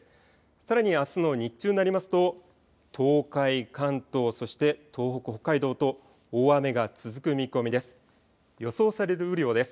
さらにあすの日中になりますと東海、関東、そして東北、北海道と大雨が続く見込みです。